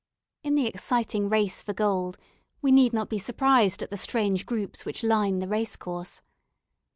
In the exciting race for gold, we need not be surprised at the strange groups which line the race course.